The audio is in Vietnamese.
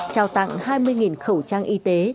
trao tặng hai mươi khẩu trang y tế